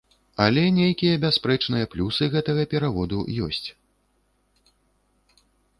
Але нейкія бясспрэчныя плюсы гэтага пераводу ёсць.